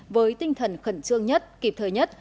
với tinh thần khẩn trương nhất kịp thời nhất